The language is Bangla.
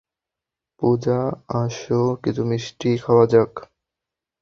পূজা, আসো কিছু মিষ্টি খাওয়া যাক।